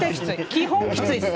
基本きついです。